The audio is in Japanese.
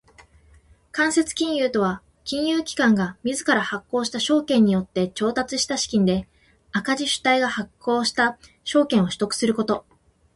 間接金融とは金融機関が自ら発行した証券によって調達した資金で赤字主体が発行した証券を取得すること。